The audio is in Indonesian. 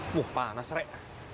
wah panas rek